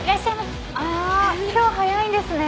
今日早いんですね。